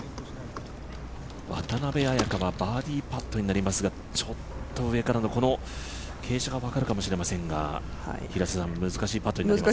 渡邉彩香はバーディーパットになりますが、ちょっと上からの傾斜が分かるかもしれませんが、難しいパットになりますね。